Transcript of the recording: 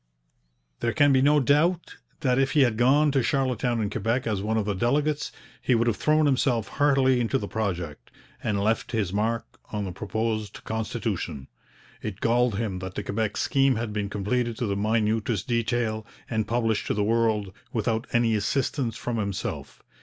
There can be no doubt that if he had gone to Charlottetown and Quebec, as one of the delegates, he would have thrown himself heartily into the project, and left his mark on the proposed constitution. It galled him that the Quebec scheme had been completed to the minutest detail, and published to the world, without any assistance from himself.